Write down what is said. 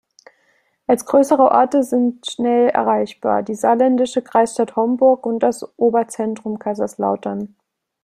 Als größere Orte sind schnell erreichbar: die saarländische Kreisstadt Homburg und das Oberzentrum Kaiserslautern.